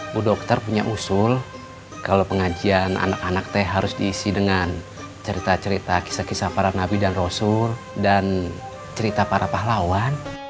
bu dokter punya usul kalau pengajian anak anak teh harus diisi dengan cerita cerita kisah kisah para nabi dan rasul dan cerita para pahlawan